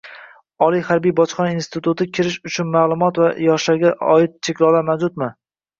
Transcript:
Oliy harbiy bojxona institutiga kirish uchun ma’lumot va yoshga doir cheklovlar mavjudmi?